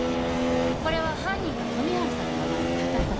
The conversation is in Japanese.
これは犯人が富治さんの名前をかたっただけ。